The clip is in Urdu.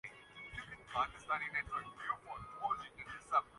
آدم جی ایوارڈ سے نوازا گیا